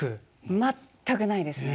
全くないですね。